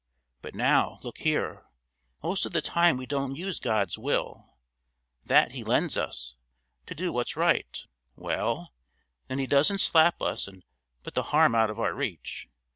But now, look here; most of the time we don't use God's will, that He lends us, to do what's right; well, then He doesn't slap us and put the harm out of our reach.